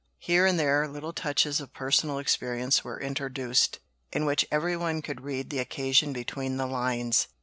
Here and there little touches of personal experience were introduced, in which every one could read the occasion between the lines.